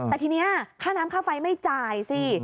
แต่ทีนี้ค่าน้ำค่าไฟไม่จ่ายสิ